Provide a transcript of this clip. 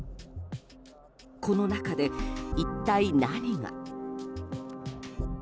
この中で、一体何が。